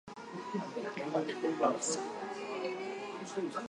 I think Chinese food is more delicious than French.